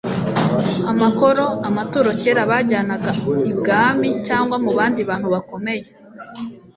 amakoroamaturo kera bajyanaga ibwami cyangwa mu bandi bantu bakomeye